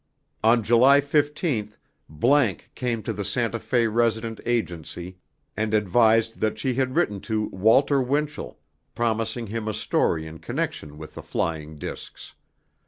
On July 15, ____ came to the Santa Fe resident agency and advised that she had written to WALTER WINCHELL, promising him a story in connection with the "flying discs."